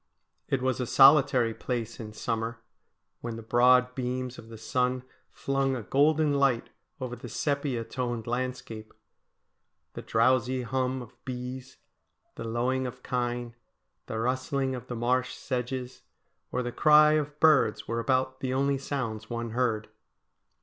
It was a solitary place in summer, when the broad beams of the sun flung a golden light over the sepia toned landscape. The drowsy hum of bees, the lowing of kine, the rustling of the marsh sedges, or the cry of birds were about the only sounds one heard.